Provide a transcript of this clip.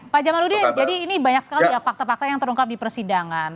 pak jamaludin jadi ini banyak sekali ya fakta fakta yang terungkap di persidangan